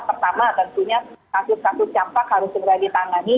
pertama tentunya kasus kasus campak harus segera ditangani